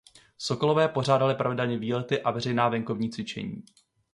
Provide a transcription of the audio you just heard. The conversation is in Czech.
Sokolové pořádali pravidelně výlety a veřejná venkovní cvičení.